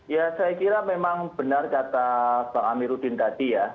ya saya kira memang benar kata bang amiruddin tadi ya